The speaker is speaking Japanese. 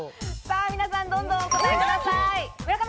皆さん、どんどんお答えください。